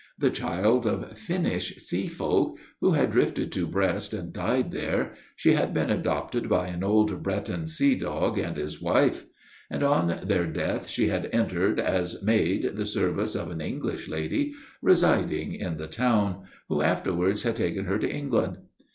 The child of Finnish sea folk who had drifted to Brest and died there, she had been adopted by an old Breton sea dog and his wife. On their death she had entered, as maid, the service of an English lady residing in the town, who afterwards had taken her to England.